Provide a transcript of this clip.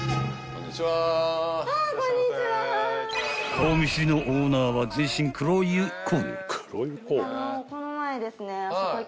［顔見知りのオーナーは全身黒湯コーデ］